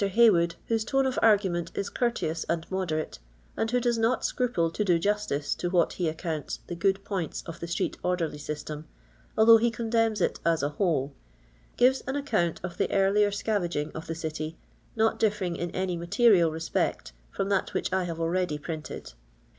Haywood, whose tone of argument is courteous and moderate, and who does not scruple to do justice to what he accounts the good points of the street orderly system, although he con demns it as a whole, gives an account of the earlier scavaging of the city, not differing in any material jrespect from that which I have already pn'nted.